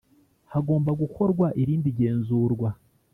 Hagomba gukorwa irindi genzurwa.